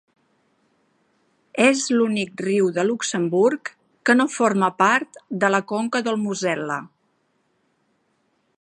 És l'únic riu de Luxemburg que no forma part de la conca del Mosel·la.